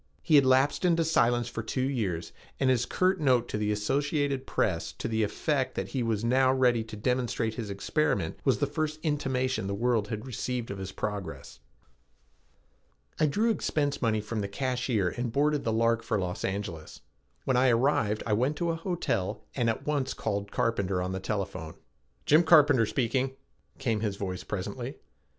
He had lapsed into silence for two years and his curt note to the Associated Press to the effect that he was now ready to demonstrate his experiment was the first intimation the world had received of his progress. I drew expense money from the cashier and boarded the Lark for Los Angeles. When I arrived I went to a hotel and at once called Carpenter on the telephone. "Jim Carpenter speaking," came his voice presently.